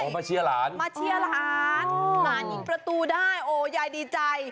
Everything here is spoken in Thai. มาเชียร์หลานมาเชียร์หลานหลานยิงประตูได้โอ้ยายดีใจ